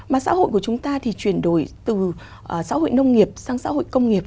mà xã hội của chúng ta thì chuyển đổi từ xã hội nông nghiệp sang xã hội công nghiệp